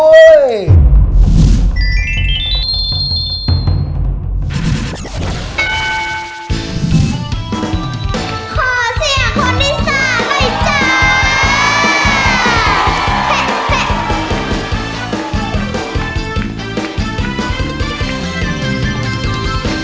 ขอเสียงคนอีสานให้จ้า